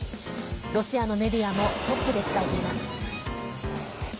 ロシアのメディアもトップで伝えています。